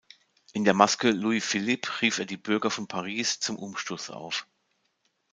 In der Maske Louis Philippes ruft er die Bürger von Paris zum Umsturz auf.